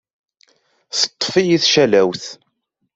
Teṭṭef-iyi tcallawt.